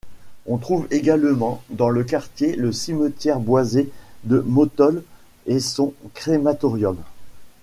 On trouve également dans le quartier le cimetière boisé de Motol et son crématorium.